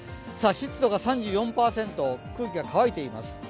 湿度が３４％、空気が乾いています。